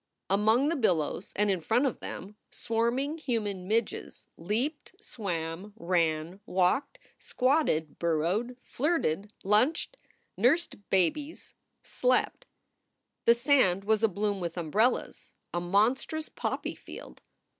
Among the billows and in front of them swarming human midges leaped, swam, ran, walked, squatted, burrowed, flirted, lunched, nursed babies, slept. The sand was abloom with umbrellas, a monstrous poppy field.